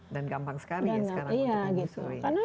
dan gampang sekali ya sekarang untuk mengusuri